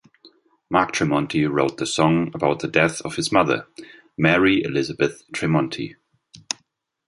Mark Tremonti wrote the song about the death of his mother, Mary Elizabeth Tremonti.